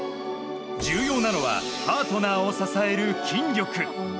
重要なのはパートナーを支える筋力。